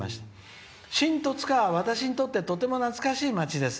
新十津川は私にとってとても懐かしい町です。